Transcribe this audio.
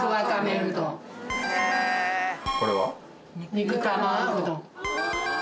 肉玉うどん。